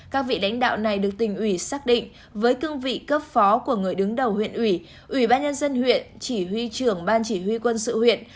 các vị lãnh đạo này được tỉnh ủy xác định với cương vị cấp phó của người đứng đầu huyện ủy ủy ban nhân dân huyện chỉ huy trưởng ban chỉ huy quân sự huyện